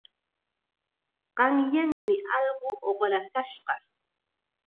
Qanyanmi allqu uqrakashqa.